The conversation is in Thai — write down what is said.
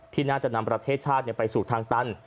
ที่น่าจะนำประเทศชาติไปสู่ทางตัน